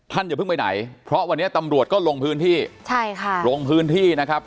อย่าเพิ่งไปไหนเพราะวันนี้ตำรวจก็ลงพื้นที่ใช่ค่ะลงพื้นที่นะครับ